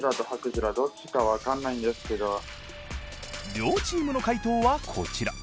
両チームの解答はこちら。